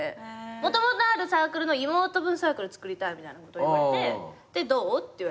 もともとあるサークルの妹分サークルつくりたいみたいなこと言われてどう？って言われて。